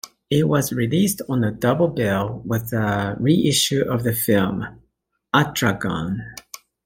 It was released on a double bill with a reissue of the film "Atragon".